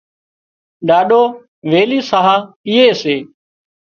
ڏاڏو ويلِي ساهَه پيئي سي